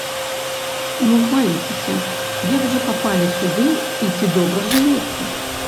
Ну, хваліцеся, як жа папалі сюды і ці добра жывецца?